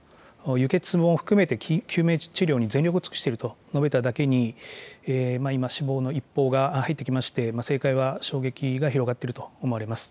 輸血も含めて救命治療に全力を尽くしていると述べただけに、今、死亡の一報が入ってきまして、政界は衝撃が広がっていると思われます。